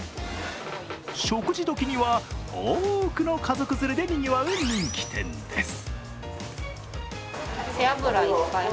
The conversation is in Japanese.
食事時には、多くの家族連れでにぎわう人気店です。